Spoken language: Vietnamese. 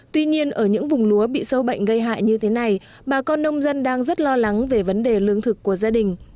tuy nhiên ở những vùng lúa bị sâu bệnh gây hại như thế này bà con nông dân đang rất lo lắng về vấn đề lương thực của gia đình